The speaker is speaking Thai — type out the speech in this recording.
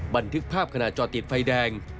บันทึกภาพขณะจอดติดไฟแดง